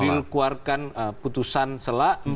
dikuarkan putusan sela